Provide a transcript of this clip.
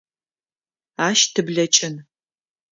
Ащ тыблэкӏын.